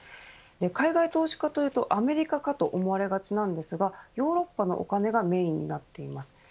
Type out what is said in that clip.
海外投資家というとアメリカかと思われがちなんですがヨーロッパのお金がメーンになっています。